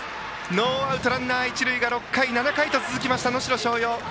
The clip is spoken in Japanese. ノーアウトランナー、一塁が６回、７回と続いた能代松陽。